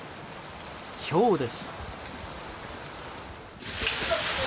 ひょうです。